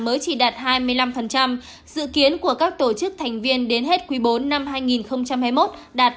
mới chỉ đạt hai mươi năm dự kiến của các tổ chức thành viên đến hết quý bốn năm hai nghìn hai mươi một đạt ba mươi năm